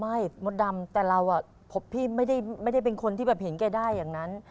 มดดำแต่เราพี่ไม่ได้เป็นคนที่แบบเห็นแกได้อย่างนั้น